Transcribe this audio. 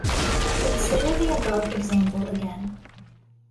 Consider the above example again.